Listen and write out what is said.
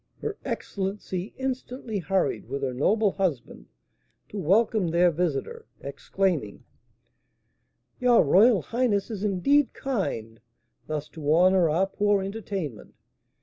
Her excellency instantly hurried, with her noble husband, to welcome their visitor, exclaiming: "Your royal highness is, indeed, kind, thus to honour our poor entertainment."